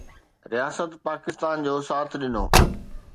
رياست پاڪستان جو ساٿ ڏنو